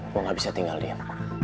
gue gak bisa tinggal dia